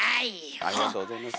ありがとうございます。